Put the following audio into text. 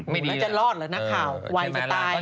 มันจะรอดเหรอนักข่าววัยจะตาย